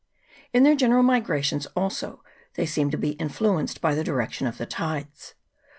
In their general migrations, also, they seem to be influenced by the direction of the tides.